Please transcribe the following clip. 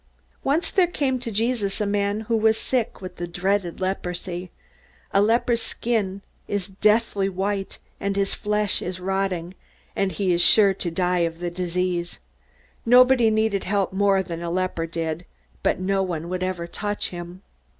Once there came to Jesus a man who was sick with the dreaded leprosy. A leper's skin was deathly white, and his flesh was rotting, and he was sure to die of the disease. Nobody needed help more than a leper did, but no one would even touch him.